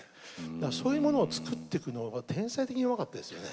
そういうものを作っていくのが天才的にうまかったですよね。